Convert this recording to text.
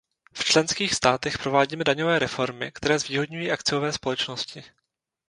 V členských státech provádíme daňové reformy, které zvýhodňují akciové společnosti.